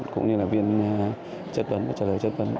cũng như là viên chất vấn và trả lời chất vấn